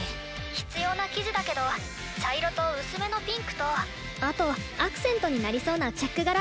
必要な生地だけど茶色と薄めのピンクとあとアクセントになりそうなチェック柄。